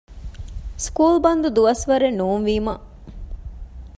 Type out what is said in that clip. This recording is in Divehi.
ސްކޫލް ބަންދު ދުވަސްވަރެއް ނޫންވީމަ